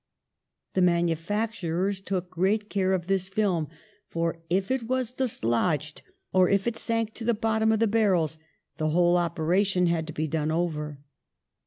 The manufacturers took great care of this film, for, if it was dislodged or if it sank to the bottom of the barrels, the whole operation had to be done over.